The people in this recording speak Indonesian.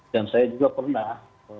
dan saya juga pernah